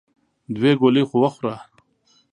دوې ګولې خو وخوره !